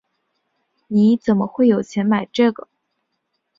你怎么会有钱买这个？